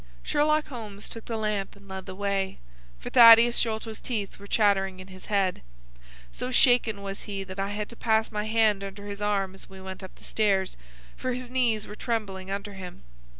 Sherlock Holmes took the lamp and led the way, for Thaddeus Sholto's teeth were chattering in his head. So shaken was he that I had to pass my hand under his arm as we went up the stairs, for his knees were trembling under him.